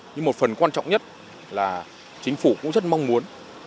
nhưng một phần quan trọng nhất là chính phủ cũng rất mong muốn